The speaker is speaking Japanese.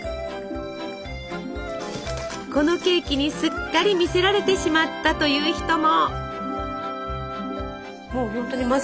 このケーキにすっかり魅せられてしまったという人も。